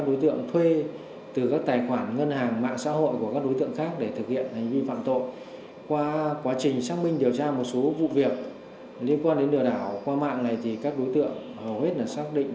đối tượng sử dụng không gian mạng nên là quá trình xác minh điều tra chứng minh làm rõ